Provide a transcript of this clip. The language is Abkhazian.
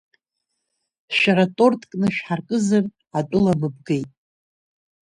Шәара тортк нышәҳаркызар, атәыла мыбгеит…